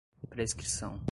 prescrição